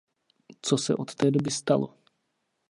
Co se od té doby stalo?